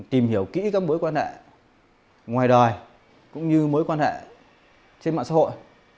tìm hiểu kỹ các mối quan ngại ngoài đời cũng như mối quan hệ trên mạng xã hội